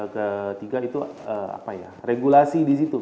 ketiga itu apa ya regulasi di situ